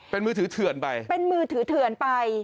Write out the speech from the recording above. เป็นมือถือเถื่อนไปเป็นมือถือเถื่อนไป